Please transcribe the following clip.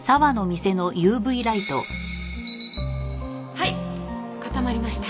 はい固まりました。